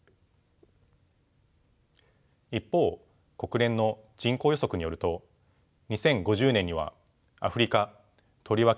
一方国連の人口予測によると２０５０年にはアフリカとりわけサハラ